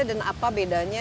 dan apa bedanya